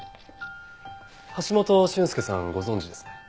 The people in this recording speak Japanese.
橋本俊介さんご存じですね？